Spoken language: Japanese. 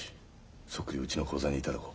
そっくりうちの口座に頂こう。